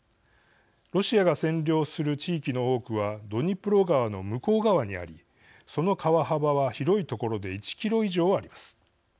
ロシアが占領する地域の多くはドニプロ川の向こう側にありその川幅は広い所で１キロ以上あります。